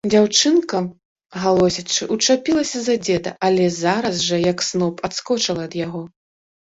Дзяўчынка, галосячы, учапілася за дзеда, але зараз жа, як сноп, адскочыла ад яго.